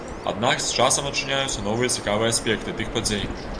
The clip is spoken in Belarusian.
Аднак з часам адчыняюцца новыя цікавыя аспекты тых падзей.